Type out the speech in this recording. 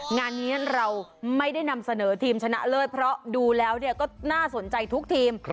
งานนี้เราไม่ได้นำเสนอทีมชนะเลิศเพราะดูแล้วก็น่าสนใจทุกทีม